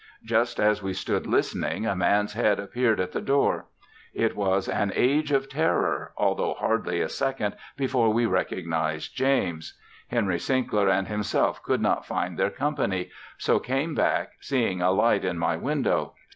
Just as we stood listening, a man's head appeared at the door. It was an age of terror, altho' hardly a second before we recognized James. Henry Sinkler and himself could not find their company, so came back seeing a light in my window.